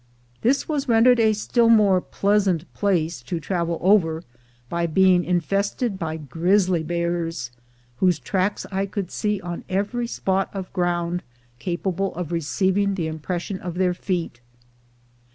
This was rendered a still more pleasant place to travel over by being infested by grizzly bears, whose tracks I could see on every spot of ground capable of receiving the impression of their feet.